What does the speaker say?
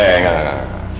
ya ya ya enggak enggak